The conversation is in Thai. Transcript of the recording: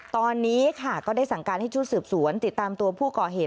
ตอนนี้ค่ะก็ได้สั่งการให้ชุดสืบสวนติดตามตัวผู้ก่อเหตุ